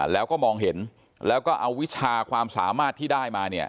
แล้วก็มองเห็นแล้วก็เอาวิชาความสามารถที่ได้มาเนี่ย